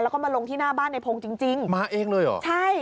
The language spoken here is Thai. แล้วก็มาลงที่หน้าบ้านในพงศ์จริงจริงมาเองเลยเหรอใช่